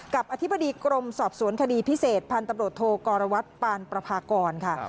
กับอธิบดีกรมสอบสวนคดีพิเศษพันธบริโธโกรวัติปานประภากรค่ะ